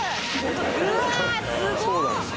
うわすごっ。